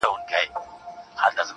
د شرابو خُم پر سر واړوه یاره.